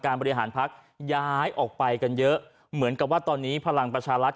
บริหารพักย้ายออกไปกันเยอะเหมือนกับว่าตอนนี้พลังประชารัฐ